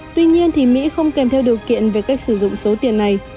tuy nhiên thì mỹ không kèm theo điều kiện về cách sử dụng số tiền này